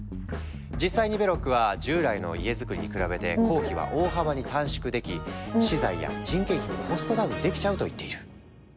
実際にベロックは従来の家づくりに比べて工期は大幅に短縮でき資材や人件費もコストダウンできちゃうと言っている。